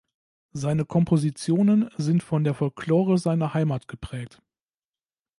Seine Kompositionen sind von der Folklore seiner Heimat geprägt.